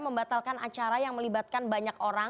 membatalkan acara yang melibatkan banyak orang